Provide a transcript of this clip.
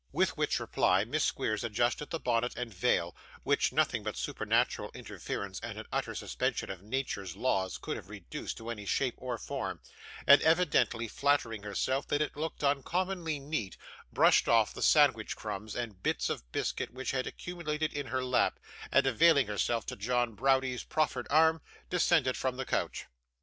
With which reply, Miss Squeers adjusted the bonnet and veil, which nothing but supernatural interference and an utter suspension of nature's laws could have reduced to any shape or form; and evidently flattering herself that it looked uncommonly neat, brushed off the sandwich crumbs and bits of biscuit which had accumulated in her lap, and availing herself of John Browdie's proffered arm, descended from the coach.